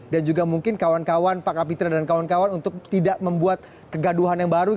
dan juga mungkin kawan kawan pak kapitra dan kawan kawan untuk tidak membuat kegaduhan yang baru